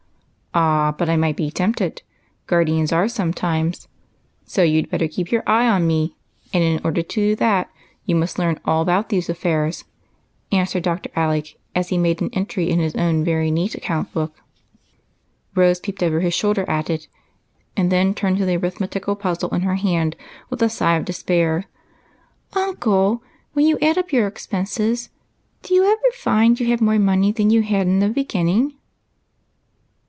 " Ah, but I might be tempted ; guardians are some times ; so you 'd better keep your eye on me, and in order to do that you must learn all about these affairs," answered Dr. Alec, as he made an entry in his own very neat account book. Rose peeped over his shoulder at it, and then turned to the arithmetical puzzle in her hand with a sigh of despair. "Uncle, when you add up your expenses do you ever find you have got more money than you had in the beginning